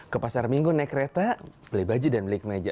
ke pasar minggu naik kereta beli baju dan beli kemeja